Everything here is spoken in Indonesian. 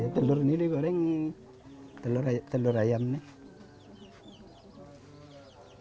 telur ini di goreng telur ayam ini